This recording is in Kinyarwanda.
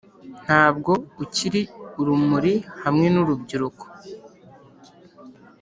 ntabwo ukiri urumuri hamwe nurubyiruko